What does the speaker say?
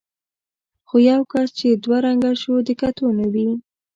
خو یو انسان چې دوه رنګه شو د کتو نه وي.